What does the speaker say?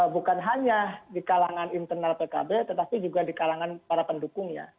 bukan hanya di kalangan internal pkb tetapi juga di kalangan para pendukungnya